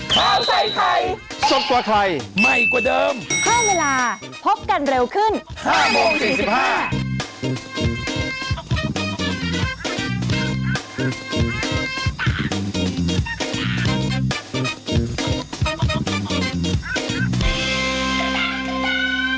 โปรดติดตามตอนต่อไป